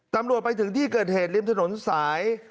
ไปถึงที่เกิดเหตุริมถนนสาย